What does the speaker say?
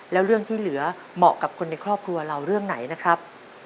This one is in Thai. แล้วเรื่องที่เหลือเหมาะกับคนในครอบครัวเราเรื่องไหนนะครับ